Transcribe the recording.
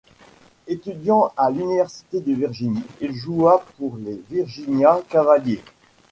Étudiant à l'université de Virginie, il joua pour les Virginia Cavaliers.